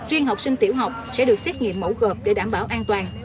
riêng học sinh tiểu học sẽ được xét nghiệm mẫu gợp để đảm bảo an toàn